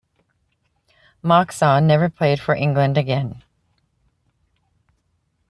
Moxon never played for England again.